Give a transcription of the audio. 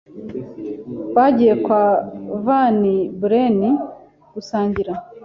Bagiye kwa Van Buren gusangira.